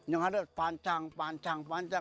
yang ada pancang pancang pancang